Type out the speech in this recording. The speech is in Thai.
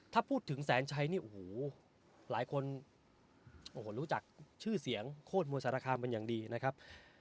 ถ้าพูดถึงแสนชัยนี่โอ้โหหลายคนโอ้โหรู้จักชื่อเสียงโคตรมวยสารคามเป็นอย่างดีนะครับ